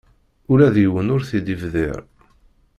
Ula d yiwen ur t-id-ibdir.